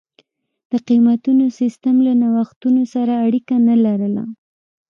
د قېمتونو سیستم له نوښتونو سره اړیکه نه لرله.